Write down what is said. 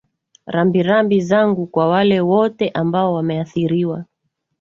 rambirambi zangu kwa wale wote ambao wameathiriwa